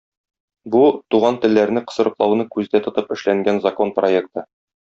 Бу - туган телләрне кысрыклауны күздә тотып эшләнгән закон проекты.